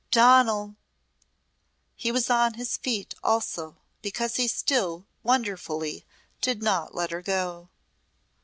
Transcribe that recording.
Donal!" He was on his feet also because he still wonderfully did not let her go.